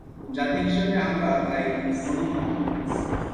জাতি হিসেবে আমরা তাই অনুন্নত।